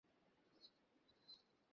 আমি জানি কিভাবে নিজেকে ভালো রাখতে হয়।